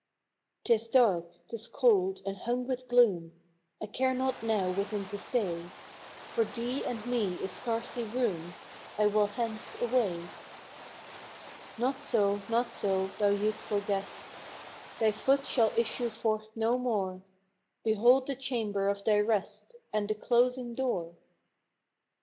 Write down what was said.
'T is dark, 't is cold, and hung with gloom: I care not now within to stay; For thee and me is scarcely room, I will hence away." " Not so, not so, thou youthful guest, Thy foot shall issue forth no more; Behold the chamber of thy rest, And the closing door